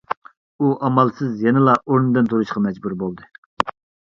ئۇ ئامالسىز يەنىلا ئورنىدىن تۇرۇشقا مەجبۇر بولدى.